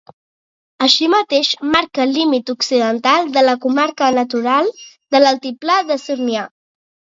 Així mateix marca el límit occidental de la comarca natural de l'Altiplà de Sornià.